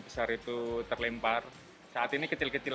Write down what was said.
besar itu terlempar saat ini kecil kecil